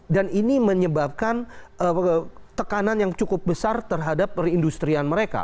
dan ini menyebabkan tekanan yang cukup besar terhadap perindustrian mereka